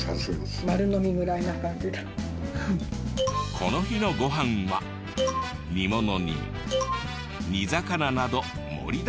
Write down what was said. この日のご飯は煮物に煮魚など盛りだくさん。